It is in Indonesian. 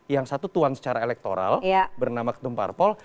yang satu tuhan secara elektoral bernama ketum parpol